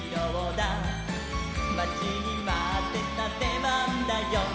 「まちにまってたでばんだよ」